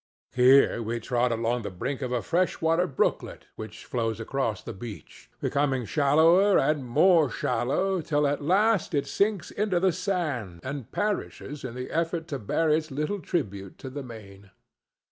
Here we trod along the brink of a fresh water brooklet which flows across the beach, becoming shallower and more shallow, till at last it sinks into the sand and perishes in the effort to bear its little tribute to the main.